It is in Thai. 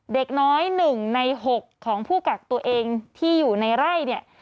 เด็กน้อย๑ใน๖ของผู้กักตัวเองที่อยู่ในไร่เนี่ย